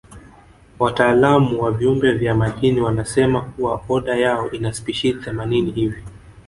Wataalamu wa viumbe vya majini wanasema kuwa oda yao ina spishi themanini hivi